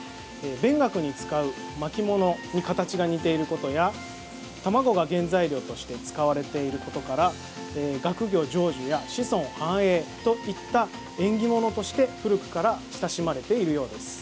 勉学に使う巻物に形が似ていることや卵が原材料として使われていることから学業成就や子孫繁栄といった縁起物として古くから親しまれているようです。